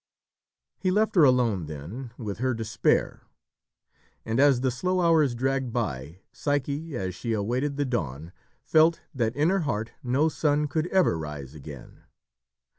He left her alone then, with her despair, and as the slow hours dragged by, Psyche, as she awaited the dawn, felt that in her heart no sun could ever rise again.